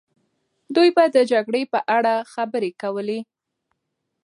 دوی به د جګړې په اړه خبرې کوله.